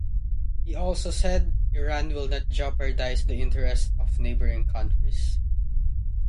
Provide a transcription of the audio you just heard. He also said, Iran will not jeopardize the interests of neighboring countries.